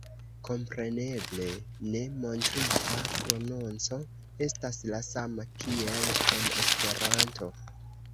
Kompreneble, ne montrita prononco estas la sama, kiel en Esperanto.